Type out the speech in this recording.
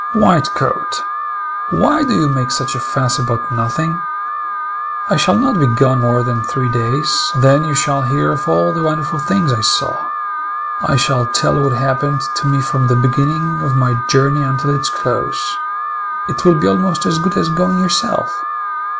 "White coat, why do you make such a fuss about nothing? I shall not be gone more than three days; then you shall hear of all the wonderful things I saw. I shall tell what happened to me from the beginning of my journey until its close. It will be almost as good as going yourself."